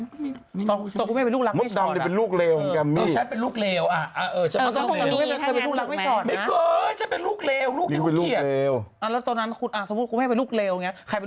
ตอนคุณแม่เป็นลูกรักไม่ชอดล่ะครับคุณแม่เป็นลูกรักไม่ชอดล่ะครับคุณแม่เป็นลูกรักไม่ชอดล่ะครับคุณแม่เป็นลูกรักไม่ชอดล่ะครับ